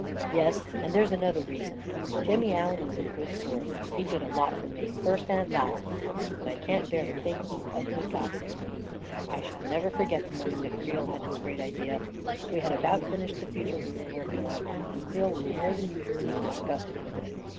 Yes — and there's another reason. Jimmy Allen was a good sort; he did a lot for me first and last, and I can't bear to think of the ugly gossip ..• I shall never forget the morning that Creel had his great idea. We had about finished the feature we were working on, and Creel was more than usu ally disgusted with it.